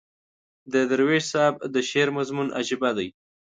د درویش صاحب د شعر مضمون عجیبه دی.